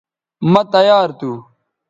مہ تیار تھو